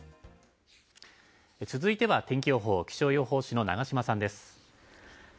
続いては天気予報、気象予報士の長島さんです。